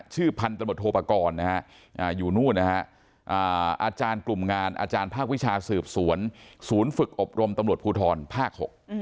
ชื่อพันธุ์ตำรวจโภพกรนะฮะอยู่นู่นนะฮะอาจารย์กลุ่มงานอาจารย์ภาควิชาสืบสวนฝุ่นฝึกอบรมตำรวจภูทรภาค๖